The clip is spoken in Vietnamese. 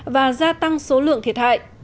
và gia tăng số lượng thiệt hại